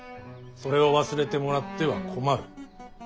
それを忘れてもらっては困る。